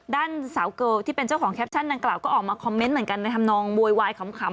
ด้านสาวเกิลที่เป็นเจ้าของแคปชั่นดังกล่าวก็ออกมาคอมเมนต์เหมือนกันในธรรมนองโวยวายขำ